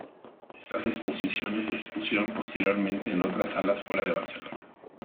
Estas exposiciones se expusieron posteriormente en otras salas fuera de Barcelona.